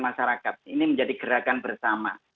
masyarakat ini menjadi gerakan bersama